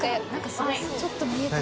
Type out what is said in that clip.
若槻）ちょっと見えてる。